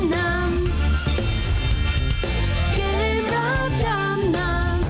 เกมรับจำนำ